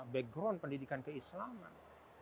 background pendidikan keislaman